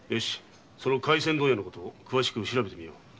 回船問屋のこと詳しく調べてみよ。